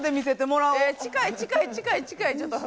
近い、近い、近い、近い、ちょっと。